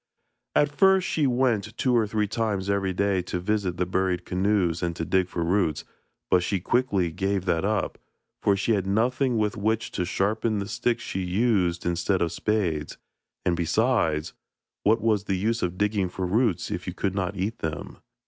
At first she went two or three times every day to visit the buried canoes and to dig for roots, but she quickly gave that up, for she had nothing with which to sharpen the sticks she used instead of spades; and besides, what was the use of digging for roots if you could not eat them?